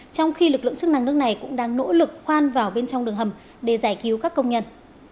trong khi lực lượng chức năng nước này cũng đang nỗ lực khoan vào bên trong đường hầm để giải cứu các công nhân